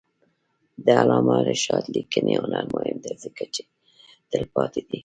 د علامه رشاد لیکنی هنر مهم دی ځکه چې تلپاتې دی.